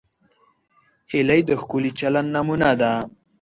هیلۍ د ښکلي چلند نمونه ده